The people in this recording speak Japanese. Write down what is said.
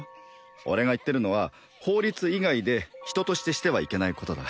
俺が言ってるのは法律以外で人としてしてはいけないことだ